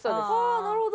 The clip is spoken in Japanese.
なるほど。